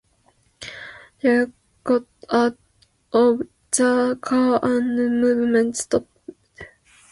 Derek got out of the car and the movement stopped.